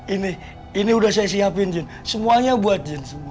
ini ini udah saya siapin jin semuanya buat jen semua